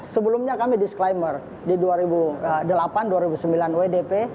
sebelumnya kami disclaimer di dua ribu delapan dua ribu sembilan wdp